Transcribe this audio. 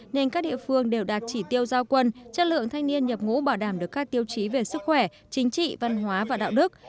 nên các địa phương đều đạt chỉ tiêu giao quân chất lượng thanh niên nhập ngũ bảo đảm được các tiêu chí về sức khỏe chính trị văn hóa và đạo đức